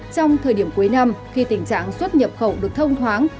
trong thời điểm cuối năm khi tình trạng xuất nhập khẩu được thông thoáng